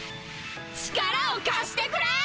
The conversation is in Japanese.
力を貸してくれぇぇぇ！